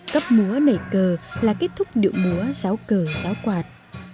cấp múa nảy cờ là kết thúc điệu múa giáo cờ giáo quạt